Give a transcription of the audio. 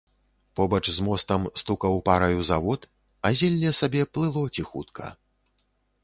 Побач з мостам стукаў параю завод, а зелле сабе плыло ціхутка.